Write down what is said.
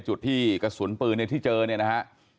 กูอีกกว่าน่ะ